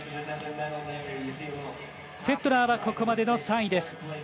フェットナーはここまでの３位。